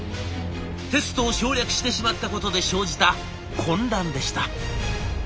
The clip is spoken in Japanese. テストを省略してしまったことで生じた混乱でした。